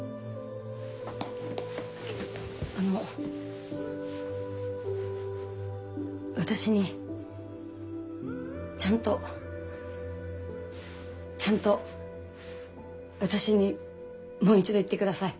あの私にちゃんとちゃんと私にもう一度言ってください